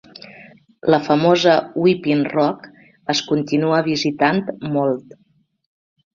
La famosa Weeping Rock es continua visitant molt.